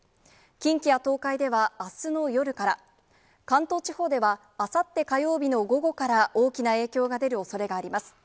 近畿や東海ではあすの夜から、関東地方ではあさって火曜日の午後から、大きな影響が出るおそれがあります。